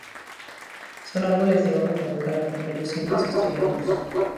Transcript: Son árboles de hoja caduca con pelos simples o estrellados.